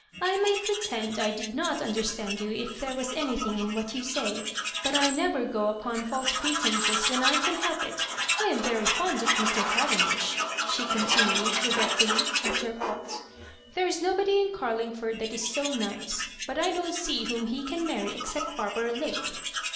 '' I might pretend I did not understand you if there was anything in what you say, but I never go upon &lae pretences when I can help it. I am very fond of Mr. Cavendish," she con tinued, regretfully, aftet a pausa "There is nobody in Garlingford that is so nice; but I don't see whom he can marry except Barbara Lake."